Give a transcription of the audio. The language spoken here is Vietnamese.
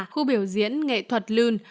khu biểu diễn nghệ thuật lươn